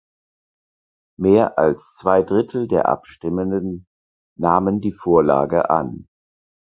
Mehr als zwei Drittel der Abstimmenden nahmen die Vorlage an.